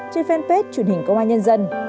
trên fanpage truyền hình công an nhân dân